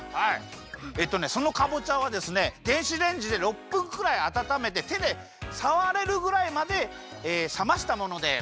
えっとねそのかぼちゃはですね電子レンジで６分くらいあたためててでさわれるぐらいまでさましたものです。